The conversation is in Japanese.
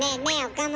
岡村。